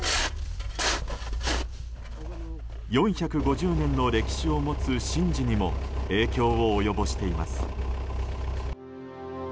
４５０年の歴史を持つ神事にも影響を及ぼしています。